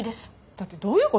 だってどういうこと？